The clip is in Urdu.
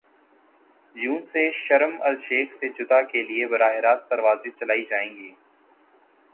جون سے شرم الشیخ سے جدہ کے لیے براہ راست پروازیں چلائی جائیں گی